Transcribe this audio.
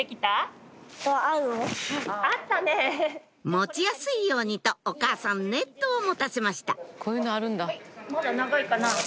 持ちやすいようにとお母さんネットを持たせましたはいまだ長いかな？